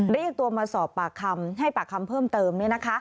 เรียกตัวมาสอบปากคำให้ปากคำเพิ่มเติม